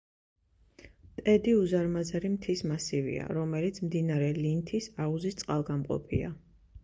ტედი უზარმაზარი მთის მასივია, რომელიც მდინარე ლინთის აუზის წყალგამყოფია.